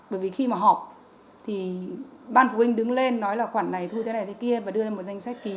bởi vì khi mà học thì ban phụ huynh đứng lên nói là khoản này thu thế này thế kia và đưa lên một danh sách ký